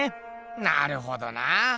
なるほどな！